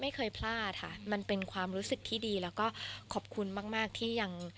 ไม่เคยพลาดค่ะมันเป็นความรู้สึกที่ดีแล้วก็ขอบคุณมากที่ยัง